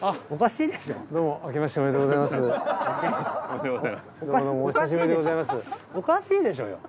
おかしいでしょ。